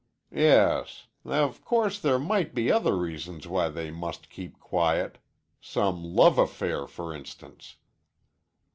"Yes. Of course there might be other reasons why they must keep quiet. Some love affair, for instance."